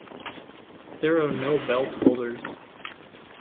There are no belt holders.